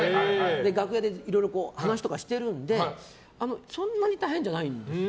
楽屋でいろいろ話とかしているのでそんなに大変じゃないんですよ。